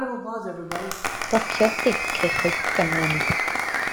Cleciodd Dic ei chwip gan wenu.